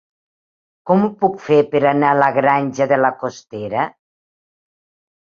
Com ho puc fer per anar a la Granja de la Costera?